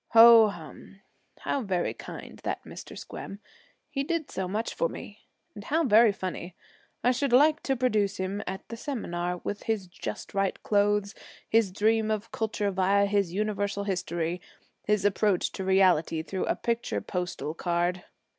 Ho, hum! How very kind, that Mr. Squem, he did so much for me, and how very funny! I should like to produce him at the seminar with his just right clothes, his dream of culture via his Universal History, his approach to reality through a picture postal card!'